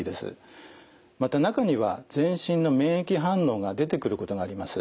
また中には全身の免疫反応が出てくることがあります。